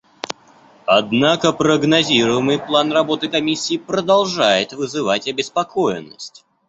Однако прогнозируемый план работы Комиссии продолжает вызывать обеспокоенность.